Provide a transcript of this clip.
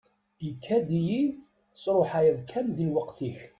Ikad-iyi-d tesruḥayeḍ kan di lweqt-ik.